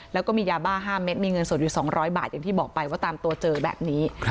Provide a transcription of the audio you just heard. แล้วก็มียาบ้า๕เม็ดมีเงินสดอยู่๒๐๐บาทอย่างที่บอกไปว่าตามตัวเจอแบบนี้